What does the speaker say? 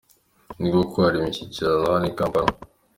Ni koko hari imishyikirano hano i Kampala.